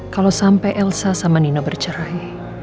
kalau sampai elsa sama nina bercerai